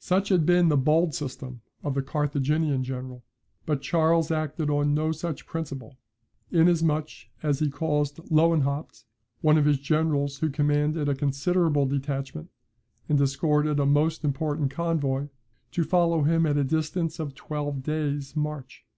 Such had been the bold system of the Carthaginian general; but Charles acted on no such principle, inasmuch as he caused Lewenhaupt, one of his generals who commanded a considerable detachment, and escorted a most important convoy, to follow him at a distance of twelve days' march.